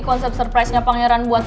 konsep surprise nya pangeran buat